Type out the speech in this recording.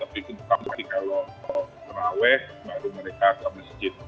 tapi kalau terawih baru mereka ke masjid